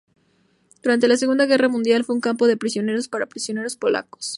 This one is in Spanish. Durante la Segunda Guerra Mundial fue un campo de prisioneros para prisioneros polacos.